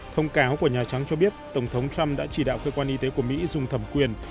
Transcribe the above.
thông cáo của nhà trắng cho biết tổng thống trump đã chỉ đạo cơ quan y tế của mỹ dùng thẩm quyền